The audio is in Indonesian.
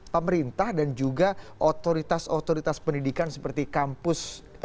pemerintah dan juga otoritas otoritas pendidikan seperti kampus